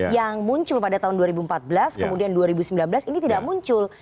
yang muncul pada tahun dua ribu empat belas kemudian dua ribu sembilan belas ini tidak muncul